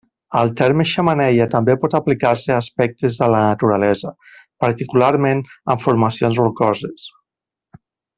El terme xemeneia també pot aplicar-se a aspectes de la naturalesa, particularment en formacions rocoses.